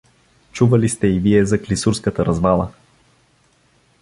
Чували сте и вие за клисурската развала.